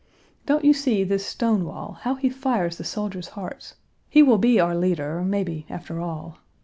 Don't you see this Stonewall, how he fires the soldiers' hearts; he will be our leader, maybe after all.